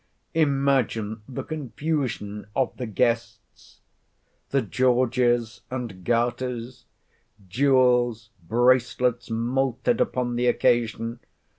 Imagine the confusion of the guests; the Georges and garters, jewels, bracelets, moulted upon the occasion!